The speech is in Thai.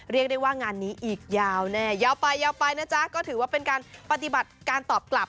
เรียกได้ว่างานนี้อีกยาวแน่ยาวไปยาวไปนะจ๊ะก็ถือว่าเป็นการปฏิบัติการตอบกลับ